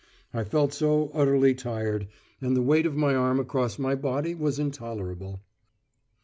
I felt so utterly tired; and the weight of my arm across my body was intolerable.